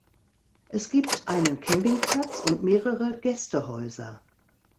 Es gibt einen Campingplatz und mehrere Gästehäuser.